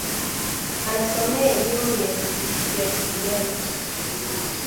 Anasomea elimu ya kupigana